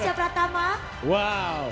kita bisa menjemput